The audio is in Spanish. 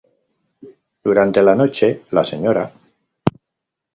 Durante la noche la Sra.